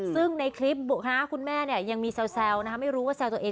ซึ่งในคลิปคณะคุณแม่เนี่ยยังมีแซวไม่รู้ว่าแซวตัวเอง